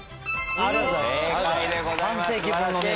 ありがとうございます。